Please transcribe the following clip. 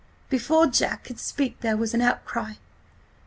"Before Jack could speak there was an outcry.